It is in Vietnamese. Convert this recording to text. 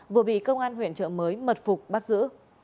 vừa bị công an huyện trợ mới mật phục bắt giữ